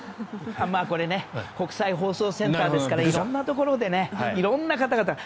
これ国際放送センターですから色んなところで色んな方々が。